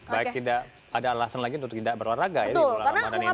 baik tidak ada alasan lagi untuk tidak berolahraga ya di bulan ramadan ini